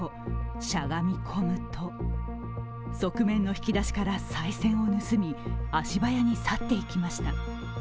しゃがみ込むと側面の引き出しからさい銭を盗み、足早に去っていきました。